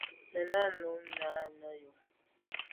Nenà num nà o yo.